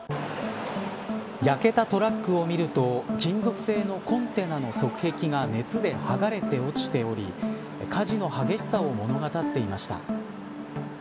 焼けたトラックを見ると金属製のコンテナの側壁が熱で剥がれて落ちており火事の激しさを物語っておりました。